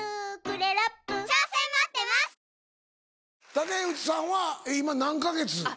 竹内さんは今何か月？